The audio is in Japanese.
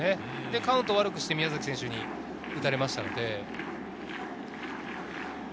カウントを悪くして宮崎選手に打たれましたので。